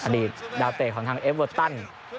อดีตดาวเตะของทางเอฟเวอร์ตัน